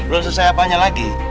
belum selesai apanya lagi